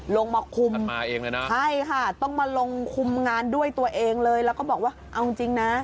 ลงหมอกคุมใช่ค่ะต้องมาลงคุมงานด้วยตัวเองเลยแล้วก็บอกว่าเอาจริงนะ